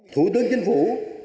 thủ tướng chính phủ